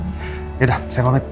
ya udah saya pamit